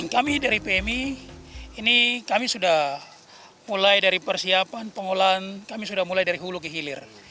kami dari pmi ini kami sudah mulai dari persiapan pengolahan kami sudah mulai dari hulu ke hilir